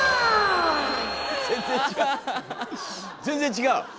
全然違う！